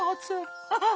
アハハハ！